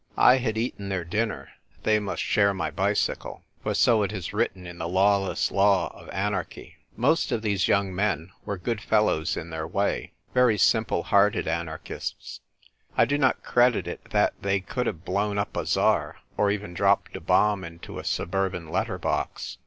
I had eaten their dinner, they must share my bicycle. P'or so it is written in the lawless law of anarchy. Most of these young men were good fel lows in their way — very simple hearted anar chists. I do not credit it that they could have blown up a Tsar, or even dropped a bomb into a suburban letter box.